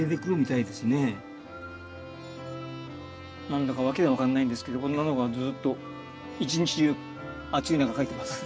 何だか訳が分かんないんですけどこんなのがずっと一日中暑い中描いてます。